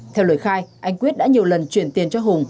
theo lời khai anh quyết đã nhiều lần chuyển tiền cho hùng